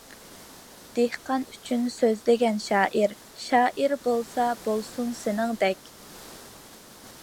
دېھقان ئۈچۈن سۆزلىگەن شائىر، شائىر بولسا بولسۇن سېنىڭدەك.